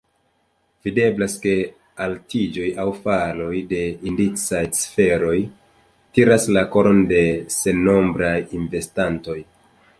Videblas, ke altiĝoj aŭ faloj de indicaj ciferoj tiras la koron de sennombraj investantoj.